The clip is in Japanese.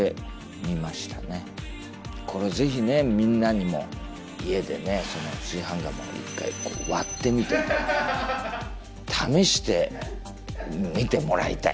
これぜひねみんなにも家で炊飯釜を一回こう割ってみて試してみてもらいたい。